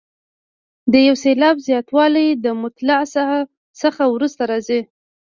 د یو سېلاب زیاتوالی د مطلع څخه وروسته راځي.